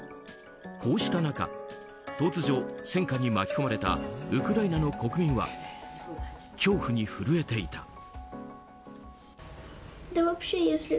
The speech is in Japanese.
こうした中、突如戦渦に巻き込まれたウクライナの国民は恐怖に震えていた。